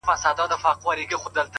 ستا د حسن ترانه وای،